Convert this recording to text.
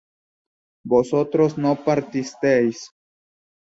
vosotros no partisteis